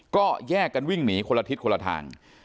ก็แยกกันวิ่งหนีคนละทิศคนละทาง